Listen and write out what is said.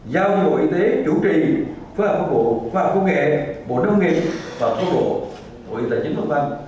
giao cho bộ y tế chủ trì phương hợp công nghệ bộ nông nghiệp và phương hợp bộ y tế chính phẩm văn